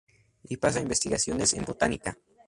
Y pasa a investigaciones en Botánica.